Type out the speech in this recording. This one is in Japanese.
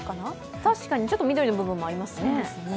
確かに緑の部分もありますね。